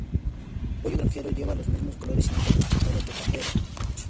Pollo Granjero lleva los mismos colores y marca publicitaria que Campero.